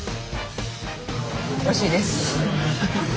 おいしいです！